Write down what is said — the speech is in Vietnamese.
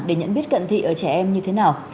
để nhận biết cận thị ở trẻ em như thế nào